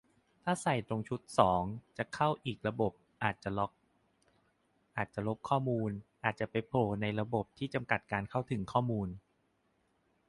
ถ้าใส่ตรงชุดสอง จะเข้าอีกระบบ อาจจะล็อก อาจจะลบข้อมูล อาจจะไปโผล่ในระบบที่จำกัดการเข้าถึงข้อมูล